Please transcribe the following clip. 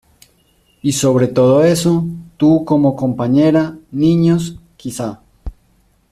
Y sobre todo eso, tú como compañera; niños, quizás.